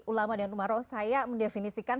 ulama dan umaroh saya mendefinisikan